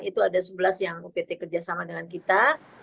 itu ada sebelas yang upt kerjasama dengan kita